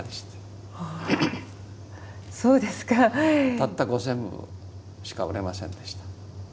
たった５，０００部しか売れませんでした。